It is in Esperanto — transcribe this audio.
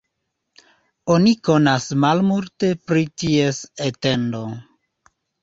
Oni konas malmulte pri ties etendo.